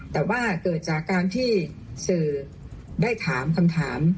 แต่ว่าเกิดจากการที่สื่อได้ถามคำถาม